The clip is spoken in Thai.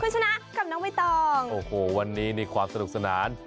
คุณชนะกับน้องใบตองโอ้โหวันนี้นี่ความสนุกสนาน